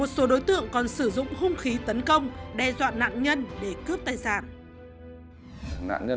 xin chào và hẹn gặp lại